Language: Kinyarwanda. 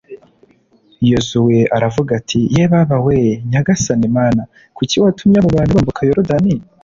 yozuwe aravuga ati «yebaba we, nyagasani mana! kuki watumye aba bantu bambuka yorudani?